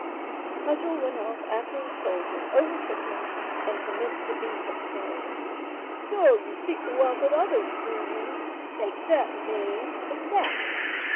The cudgel went off after the soldier, overtook him, and commenced to beat him, crying— "So you seek the wealth of others, do you? Take that, knave, and that."